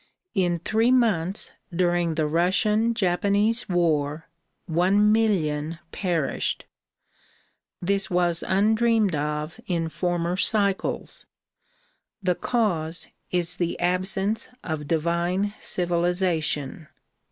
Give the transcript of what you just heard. In three months during the Russian Japanese war one million perished. This was undreamed of in former cycles. The cause is the absence of divine civilization.